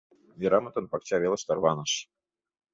Верамытын пакча велыш тарваныш.